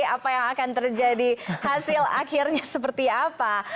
apa yang akan terjadi hasil akhirnya seperti apa